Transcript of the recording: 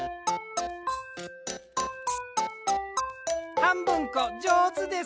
はんぶんこじょうずです。